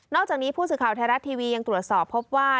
จากนี้ผู้สื่อข่าวไทยรัฐทีวียังตรวจสอบพบว่า